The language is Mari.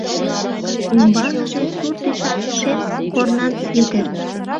Ӱмбалныже — сур тӱсан шем корнан свитер.